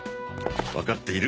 わかっている。